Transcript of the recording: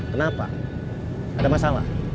kenapa ada masalah